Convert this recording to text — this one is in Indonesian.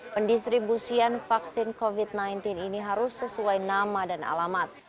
pendistribusian vaksin covid sembilan belas ini harus sesuai nama dan alamat